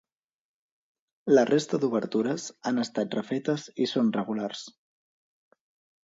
La resta d'obertures han estat refetes i són regulars.